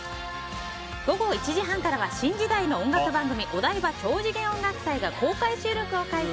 午後１時半からは新時代の音楽番組「オダイバ！！超次元音楽祭」が公開収録を開催。